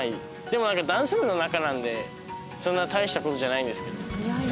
でも何かダンス部の中なんでそんな大したことじゃないんですけど。